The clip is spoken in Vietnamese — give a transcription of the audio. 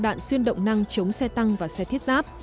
đạn xuyên động năng chống xe tăng và xe thiết giáp